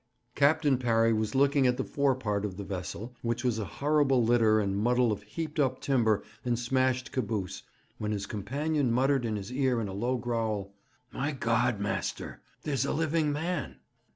Captain Parry was looking at the forepart of the vessel, which was a horrible litter and muddle of heaped up timber and smashed caboose, when his companion muttered in his ear in a low growl: 'My God, master, there's a living man!'